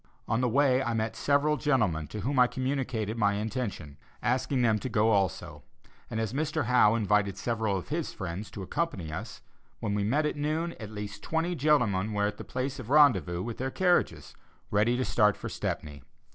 On the way I met several gentlemen to whom I communicated my intention, asking them to go also; and as Mr. Howe invited several of his friends to accompany us, when we met at noon, at least twenty gentlemen were at the place of rendezvous with their carriages, ready to start for Stepney.